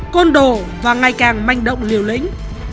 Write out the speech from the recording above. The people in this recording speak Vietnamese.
côn đồ và ngày càng manh động liều lĩnh